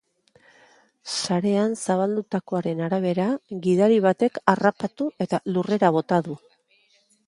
Sarean zabaldutakoaren arabera, gidari batek harrapatu eta lurrera bota du.